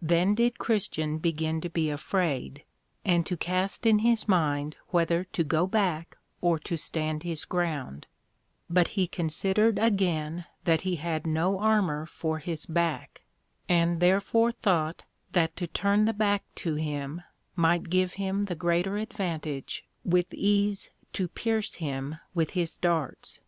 Then did Christian begin to be afraid, and to cast in his mind whether to go back or to stand his ground: But he considered again that he had no Armour for his back, and therefore thought that to turn the back to him might give him the greater advantage with ease to pierce him with his Darts.